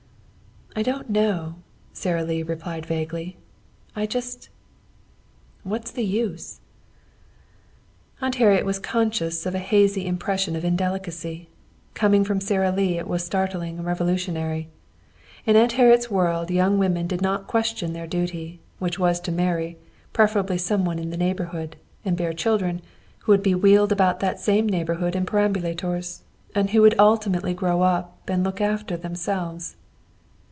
"I don't know," Sara Lee replied vaguely. "I just What's the use?" Aunt Harriet was conscious of a hazy impression of indelicacy. Coming from Sara Lee it was startling and revolutionary. In Aunt Harriet's world young women did not question their duty, which was to marry, preferably some one in the neighborhood, and bear children, who would be wheeled about that same neighborhood in perambulators and who would ultimately grow up and look after themselves.